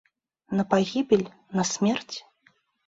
На пагібель, на смерць?